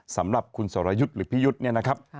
สำหรับคุณสรยุทธ์หรือพี่ยุทธ์เนี่ยนะครับ